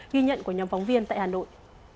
ghi nhận của nhóm phóng viên tại hà nội